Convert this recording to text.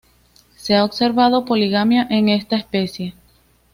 Se ha observado poligamia en esta especie.